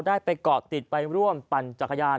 ได้ไปเกาะติดไปร่วมปั่นจักรยาน